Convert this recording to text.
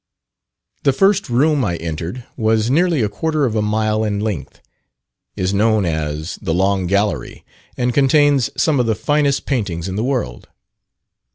The first room I entered, was nearly a quarter of a mile in length; is known as the "Long Gallery," and contains some of the finest paintings in the world.